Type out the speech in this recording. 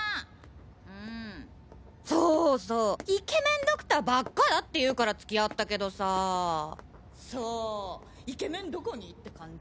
うんそうそうイケメンドクターばっかだっていうから付き合ったけどさぁそうイケメンどこに？って感じ？